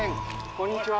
こんにちは。